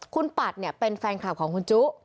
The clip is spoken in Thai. คุณปัดเนี่ยเป็นแฟนคลับของคุณจุ